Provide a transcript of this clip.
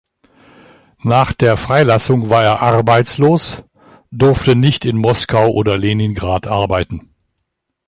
Nach der Freilassung war er arbeitslos durfte nicht in Moskau oder Leningrad arbeiten.